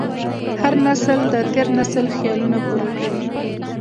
هر نسل د تېر نسل خیالونه پوره کوي.